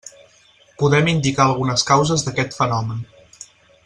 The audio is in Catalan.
Podem indicar algunes causes d'aquest fenomen.